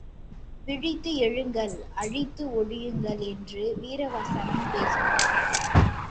விழித்து எழுங்கள் அழித்து ஒழியுங்கள் என்று வீரவசனம் பேசினான்.